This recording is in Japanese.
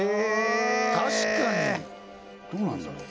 おお確かにどうなんだろう？